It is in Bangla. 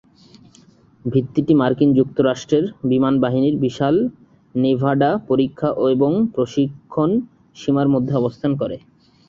ভিত্তিটি মার্কিন যুক্তরাষ্ট্রের বিমান বাহিনীর বিশাল নেভাডা পরীক্ষা এবং প্রশিক্ষণ সীমার মধ্যে অবস্থান করে।